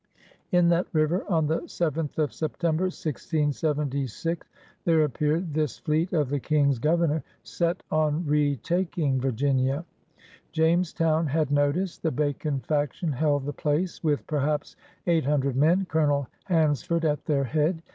In that river, on the 7th of September, 1676, there appeared this fleet of the King's Governor, set on retaking Virginia. Jamestown had notice. The Bacon faction held the place with perhaps eight hundred men. Colonel Hansford at their head.